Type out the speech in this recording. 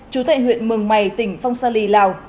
chú tại huyện mường mày tỉnh phong sa lì lào